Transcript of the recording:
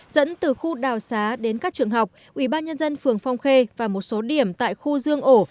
dẫn từ khu đào xá đến các trường học ubnd phường phong khê và một số điểm tại khu dương ổ